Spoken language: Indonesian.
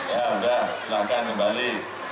ya udah silahkan kembali